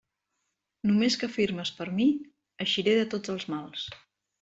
Només que firmes per mi, eixiré de tots els mals.